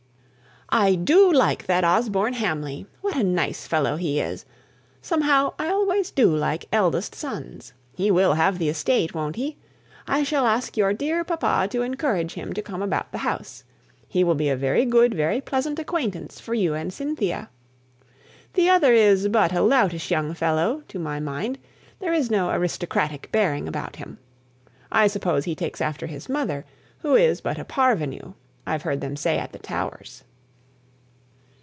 "I do like that Osborne Hamley! What a nice fellow he is! Somehow, I always do like eldest sons. He will have the estate, won't he? I shall ask your dear papa to encourage him to come about the house. He will be a very good, very pleasant acquaintance for you and Cynthia. The other is but a loutish young fellow, to my mind; there is no aristocratic bearing about him. I suppose he takes after his mother, who is but a parvenue, I've heard them say at the Towers."